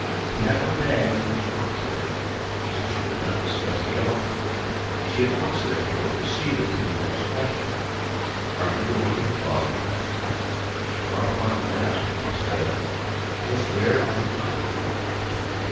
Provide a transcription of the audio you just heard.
He had no bag under his arm today, so she could not discuss the elephant with him. She at once therefore proceeded to the next question: "Are you going to the father in law's house?" Rahmun laughed and said: "Just where I am going, little one!"